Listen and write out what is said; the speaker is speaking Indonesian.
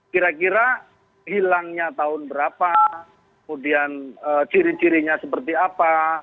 kira kira hilangnya tahun berapa kemudian ciri cirinya seperti apa